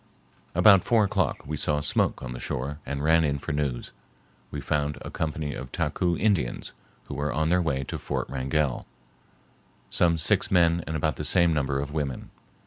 About four o'clock we saw smoke on the shore and ran in for news. We found a company of Taku Indians, who were on their way to Fort Wrangell, some six men and about the same number of women.